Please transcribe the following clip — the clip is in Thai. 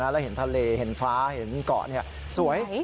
แล้วเห็นทะเลเห็นฟ้าเห็นเกาะสวย